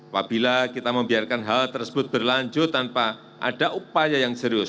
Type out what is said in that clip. apabila kita membiarkan hal tersebut berlanjut tanpa ada upaya yang serius